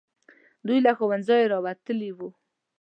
دوی له ښوونځیو راوتلي وو.